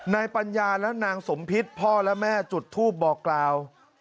ปัญญาและนางสมพิษพ่อและแม่จุดทูปบอกกล่าว